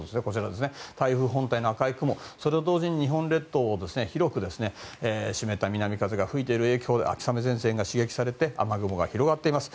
台風本体の赤い雲、それと同時に日本列島を広く湿った南風が吹いている影響で秋雨前線が刺激されて雨雲が広がっています。